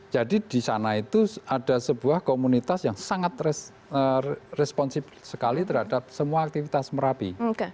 jadi di sana itu ada sebuah komunitas yang sangat responsif sekali terhadap semua aktivitas merapi